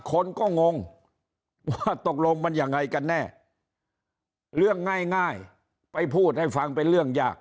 คนก็งงว่าตกลงมันยังไงกันแน่เรื่องง่ายไปพูดให้ฟังเป็นเรื่องยาก